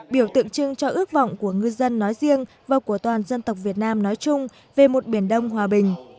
biểu tượng trưng cho ước vọng của ngư dân nói riêng và của toàn dân tộc việt nam nói chung về một biển đông hòa bình